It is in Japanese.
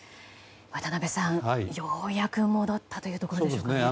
渡辺さん、ようやく戻ったというところですね。